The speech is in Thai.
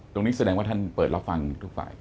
ตรงนี้แสดงว่าท่านเปิดรับฟังทุกฝ่าย